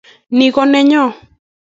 Ni konenyo